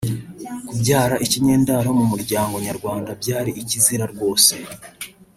Kubyara ikinyendaro mu muryango Nyarwanda byari ikizira rwose